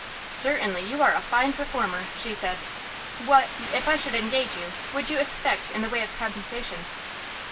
"Certainly you are a fine performer," she said. "What if I should engage you would you expect in the way of compensation?"